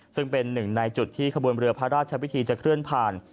ซึ่งเป็นหนึ่งในจุดที่ขบวนเรือพระราชพิธีจะเคลื่อนผ่าน